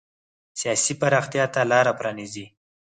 سیاسي پراختیا ته لار پرانېزي.